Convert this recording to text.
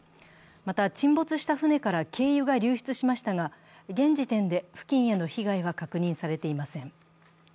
また、沈没した船から軽油が流出しましたが、現時点で付近への被害は確認されていません。